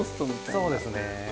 そうですね。